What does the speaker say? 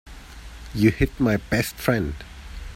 You hit my best friend.